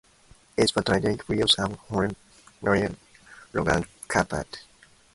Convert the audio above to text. It was traditionally used as backing for linoleum, rugs and carpet.